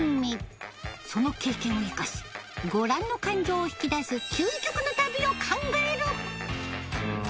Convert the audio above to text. その経験を生かしご覧の感情を引き出す究極の旅を考えるふん。